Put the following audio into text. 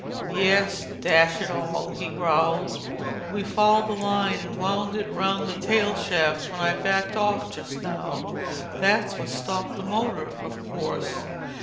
"Yes, dash it all!" he growled. "We fouled the line and wound it round the tail shaft when I backed off just now. That's what stopped the motor, of course.